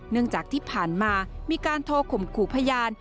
เนื่องจากที่ผ่านมามีการโทรข่มขู่พยาน